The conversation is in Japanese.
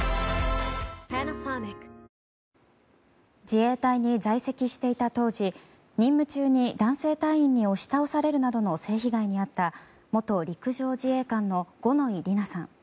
自衛隊に在籍していた当時任務中に男性隊員に押し倒されるなどの性被害に遭った元陸上自衛官の五ノ井里奈さん。